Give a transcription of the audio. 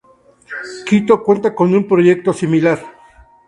Quito cuenta con un proyecto similar.